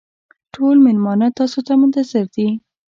ټول مېلمانه تاسو ته منتظر دي.